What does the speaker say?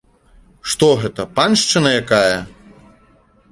Што гэта, паншчына якая?